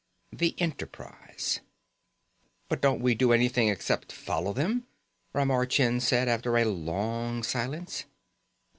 The Enterprise.... "But don't we do anything except follow them?" Ramar Chind said after a long silence.